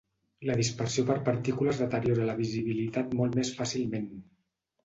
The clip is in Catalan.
La dispersió per partícules deteriora la visibilitat molt més fàcilment.